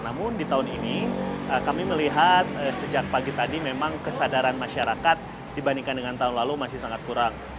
namun di tahun ini kami melihat sejak pagi tadi memang kesadaran masyarakat dibandingkan dengan tahun lalu masih sangat kurang